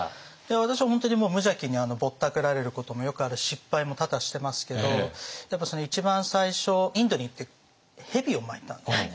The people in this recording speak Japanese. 私は本当に無邪気にぼったくられることもよくあるし失敗も多々してますけどやっぱ一番最初インドに行って蛇を巻いたんですね。